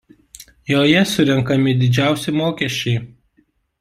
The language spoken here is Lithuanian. Joje surenkami didžiausi mokesčiai.